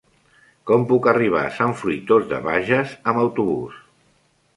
Com puc arribar a Sant Fruitós de Bages amb autobús?